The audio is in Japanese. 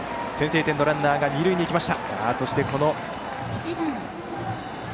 先制点のランナーが二塁に行きました。